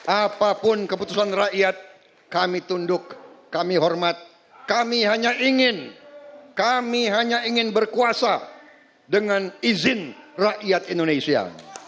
apapun keputusan rakyat kami tunduk kami hormat kami hanya ingin kami hanya ingin berkuasa dengan izin rakyat indonesia